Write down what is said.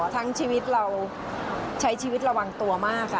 ทั้งชีวิตเราใช้ชีวิตระวังตัวมากค่ะ